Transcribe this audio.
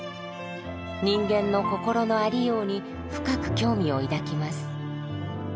人間の心のありように深く興味を抱きます。